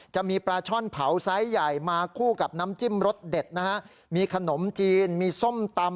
จะมีปลาช่อนเผาไซส์ใหญ่มาคู่กับน้ำจิ้มรสเด็ดนะฮะมีขนมจีนมีส้มตำ